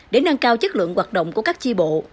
để nâng cao chất lượng hoạt động của các chi bộ